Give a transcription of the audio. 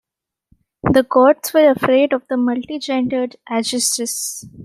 The gods were afraid of the multi-gendered Agdistis.